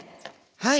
はい。